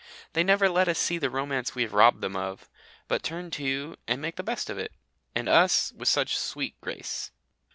They never let us see the romance we have robbed them of, but turn to and make the best of it and us with such sweet grace.